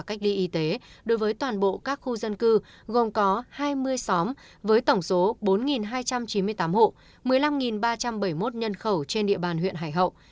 cách ly y tế đối với toàn bộ các khu dân cư gồm có hai mươi xóm với tổng số bốn hai trăm chín mươi tám hộ một mươi năm ba trăm bảy mươi một nhân khẩu trên địa bàn huyện hải hậu